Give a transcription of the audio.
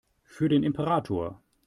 Für den Imperator!